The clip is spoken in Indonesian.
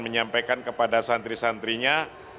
menyampaikan kepada santri santrinya